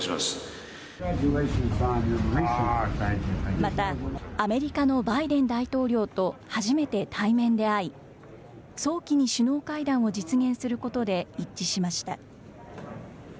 またアメリカのバイデン大統領と初めて対面で会い、早期に首脳会談を実現することで一致しました。